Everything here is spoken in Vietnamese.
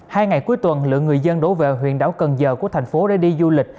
hai ngày cuối tuần lượng người dân đổ về huyện đảo cần giờ của thành phố để đi du lịch